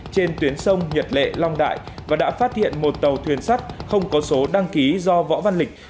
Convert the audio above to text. trên tuyến sông nhật lệ long đại và đã phát hiện một tàu thuyền sắt không có số đăng ký do võ văn lịch